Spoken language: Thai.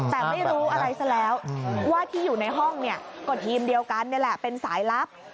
แต่ไม่รู้อะไรซะแล้วว่าที่อยู่ในห้องเนี่ยก็ทีมเดียวกันนี่แหละเป็นสายลับ